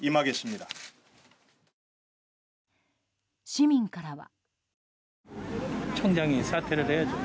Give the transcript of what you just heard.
市民からは。